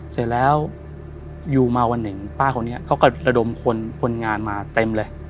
เสร็จแล้วอยู่มาวันหนึ่งป้าคนนี้เขาก็ระดมคนงานมาเต็มเลย